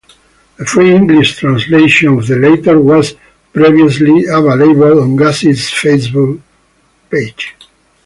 A free English translation of the latter was previously available on Gucci's Facebook page.